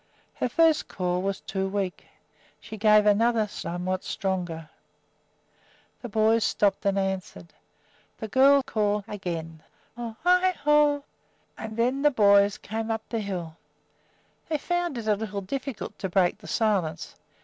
Her first call was too weak. She gave another somewhat stronger. The boys stopped and answered. Lisbeth called again, "Ho i ho!" and then the boys came up the hill. They found it a little difficult to break the silence.